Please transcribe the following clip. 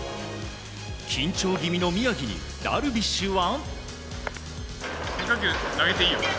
緊張気味の宮城にダルビッシュは。